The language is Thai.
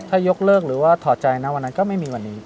ถ้ายกเลิกหรือว่าถอดใจนะวันนั้นก็ไม่มีวันนี้